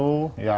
masa dia masak